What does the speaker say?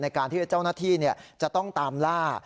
การที่เจ้าหน้าที่จะต้องตามล่า